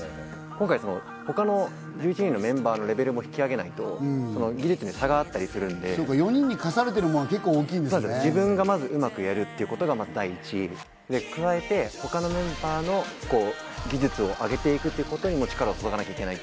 今回、他の１１人のメンバーのレベルも引き上げないと、技術に差があったりするんで、自分がまず、うまくやるということが第一で、加えて他のメンバーの技術を上げていくということにも力を注がなきゃいけない。